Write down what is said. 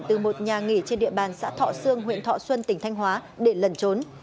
từ một nhà nghỉ trên địa bàn xã thọ sương huyện thọ xuân tỉnh thanh hóa để lần trốn